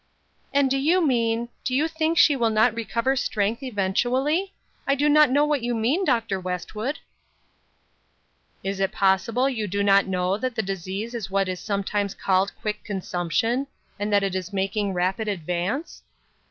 "And do you mean — do you think she will not recover strength eventually ? I do not know what you mean, Dr. Westwood !"" Is it possible you do not know that the disease is what is sometimes called quick consumption ; and that it is making rapid advance